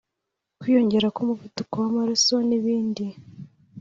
kwiyongera k’umuvuduko w’amaraso n’ibindi